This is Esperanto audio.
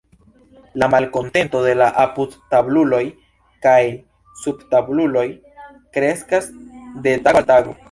La malkontento de la apudtabluloj kaj subtabluloj kreskas de tago al tago.